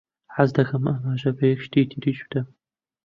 حەز دەکەم ئاماژە بە یەک شتی تریش بدەم.